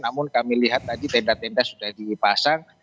namun kami lihat tadi tenda tenda sudah dipasang